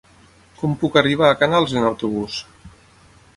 Com puc arribar a Canals amb autobús?